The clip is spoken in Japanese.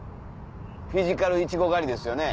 フィジカルいちご狩りですよね。